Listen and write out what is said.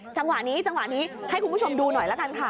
จังหวะนี้จังหวะนี้ให้คุณผู้ชมดูหน่อยละกันค่ะ